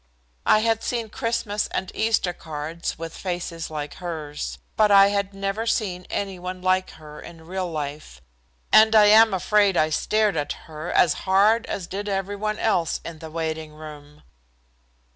I had seen Christmas and Easter cards with faces like hers. But I had never seen anyone like her in real life, and I am afraid I stared at her as hard as did everyone else in the waiting room.